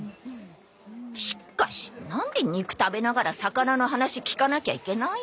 しっかしなんで肉食べながら魚の話聞かなきゃいけないの。